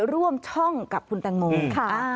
ร่วมช่องกับคุณตังโมอืมค่ะอ่า